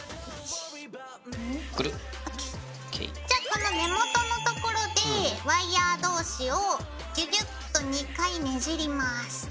じゃこの根元のところでワイヤー同士をギュギュッと２回ねじります。